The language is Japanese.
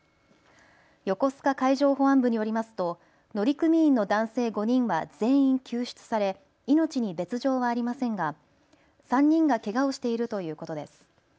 横須賀海上保安部によりますと乗組員の男性５人は全員救出され命に別状はありませんが３人がけがをしているということです。